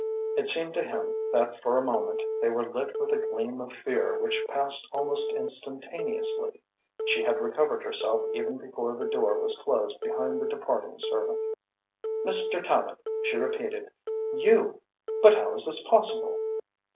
It seemed to him that for a moment they were lit with a gleam of fear which passed almost instantaneously. She had recovered herself even before the door was closed behind the departing servant. "Mr. Tallente!" she repeated. "You! But how is this possible?"